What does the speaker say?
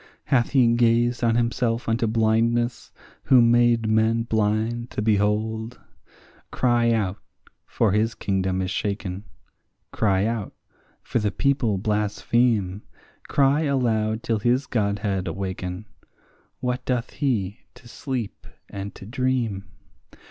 Hath he gazed on himself unto blindness, who made men blind to behold? Cry out, for his kingdom is shaken; cry out, for the people blaspheme; Cry aloud till his godhead awaken; what doth he to sleep and to dream?